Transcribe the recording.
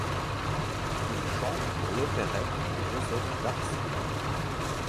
Il chante pour l'opérette de Joseph Darcier.